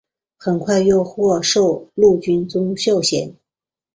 很快又获授陆军中校衔。